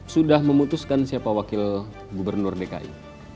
sudah memutuskan siapa wakil gubernur dki